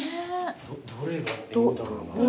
どれがいいんだろうな。